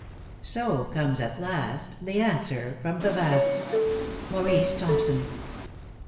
* So comes, at last, The answer from the Vast. MAURICE THOMPSON.